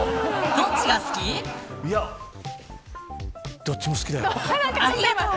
どっちも好きだよ。